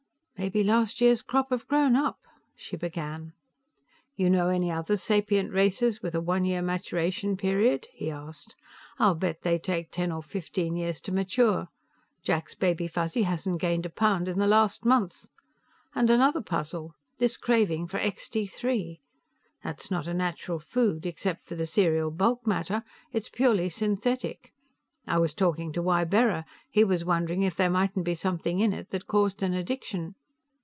"Maybe last year's crop have grown up," she began. "You know any other sapient races with a one year maturation period?" he asked. "I'll bet they take ten or fifteen years to mature. Jack's Baby Fuzzy hasn't gained a pound in the last month. And another puzzle; this craving for Extee Three. That's not a natural food; except for the cereal bulk matter, it's purely synthetic. I was talking to Ybarra; he was wondering if there mightn't be something in it that caused an addiction."